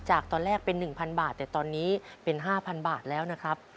จากตอนแรกเป็น๑๐๐บาทแต่ตอนนี้เป็น๕๐๐บาทแล้วนะครับ